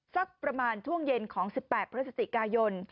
สักประมาณช่วงเย็นของ๑๘พฤศจิกายน